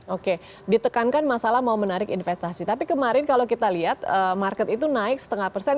oke ditekankan masalah mau menarik investasi tapi kemarin kalau kita lihat market itu naik setengah persen